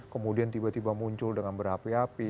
kemudian tiba tiba muncul dengan berapi api